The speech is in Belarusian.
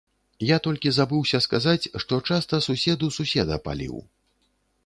Я толькі забыўся сказаць, што часта сусед у суседа паліў.